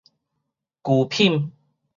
舊品